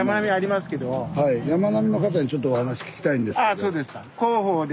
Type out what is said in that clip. あそうですか。